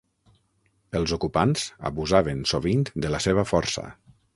Els ocupants abusaven sovint de la seva força.